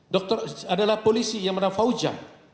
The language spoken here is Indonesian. dokter adalah polisi yang bernama fauja